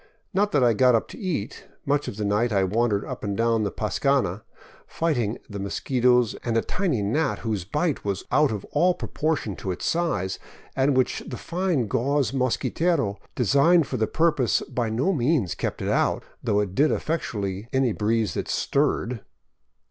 Not that I got up to eat; much of the night I wandered up and down the pascana, fighting the mosquitos and a tiny gnat whose bite was out of all proportion to its size, and which the fine gauze mosquitero designed for the purpose by no means kept out, though it did effectually any breeze that stirred.